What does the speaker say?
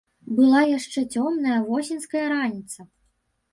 Была яшчэ цёмная восеньская раніца.